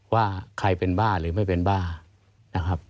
ว่าใครเป็นบ้าหรือไม่เป็นบ้านะครับ